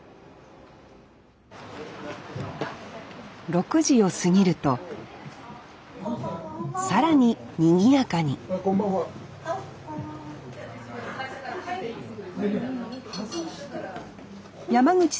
６時を過ぎると更ににぎやかにこんばんは。